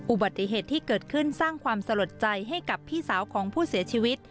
อุบัติเหตุที่เกิดขึ้นสร้างความสลดใจให้กับพี่สาวของผู้เสียชีวิต